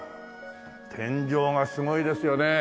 天井がすごいですよねえ。